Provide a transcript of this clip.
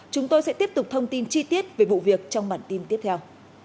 chúng tôi sẽ tiếp tục thông tin chi tiết về vụ việc trong bản tin tiếp theo